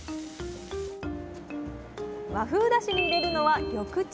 和風だしに入れるのは緑茶。